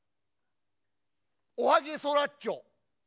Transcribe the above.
おはげそラッチョ！